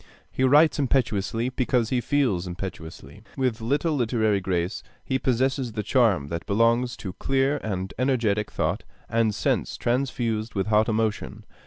He writes impetuously because he feels impetuously. With little literary grace, he possesses the charm that belongs to clear and energetic thought and sense transfused with hot emotion.